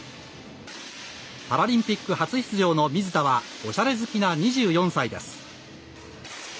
パラリンピック初出場の水田はおしゃれ好きな２４歳です。